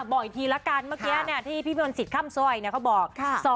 อ่ะบอกอีกทีละกันเมื่อกี้เนี่ยที่พี่มันสิทธิ์ค่ำซ่อยเนี่ยเขาบอก